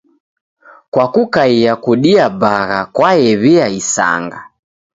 Kwa kukaia kudia bagha kwaew'ia isanga.